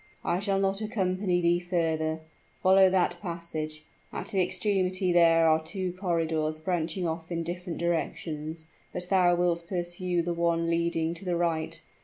"I shall not accompany thee further. Follow that passage: at the extremity there are two corridors branching off in different directions; but thou wilt pursue the one leading to the right.